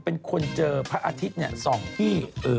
เป็นคนเจอพระอาทิตย์ส่องที่